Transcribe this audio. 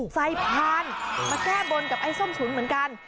พานมาแก้บนกับไอ้ส้มฉุนเหมือนกัน